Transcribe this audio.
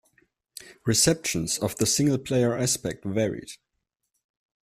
Reception of the single-player aspect varied.